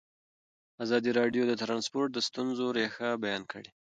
ازادي راډیو د ترانسپورټ د ستونزو رېښه بیان کړې.